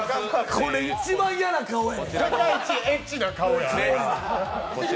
これ、一番嫌な顔や。